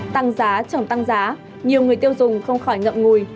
tăng giá chồng tăng giá nhiều người tiêu dùng không khỏi ngậm ngùi